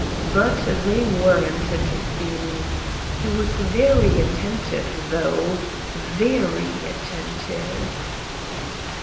But they weren't, it seems. He was very attentive, though; very attentive."